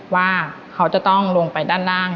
ว่าเขาจะต้องลงไปด้านล่าง